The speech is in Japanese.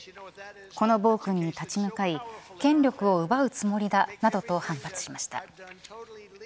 この暴君に立ち向かい権力を奪うつもりだなどと反発しました。